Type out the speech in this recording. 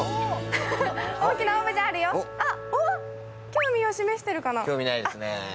興味を示してるかな？